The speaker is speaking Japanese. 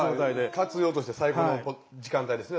活用として最高の時間帯ですね。